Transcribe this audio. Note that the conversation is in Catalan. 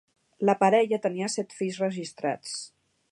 La parella tenia set fills registrats.